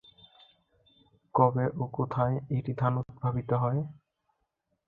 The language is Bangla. কবে ও কোথায় ইরি ধান উদ্ভাবিত হয়?